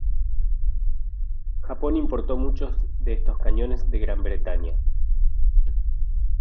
Japón importó muchos de estos cañones de Gran Bretaña.